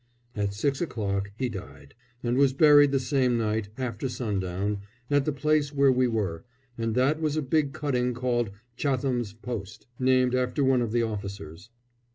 At six o'clock he died, and was buried the same night, after sundown, at the place where we were, and that was a big cutting called Chatham's Post, named after one of the officers.